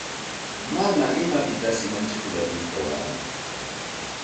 Mana imapitasi manchakularmi kawaa.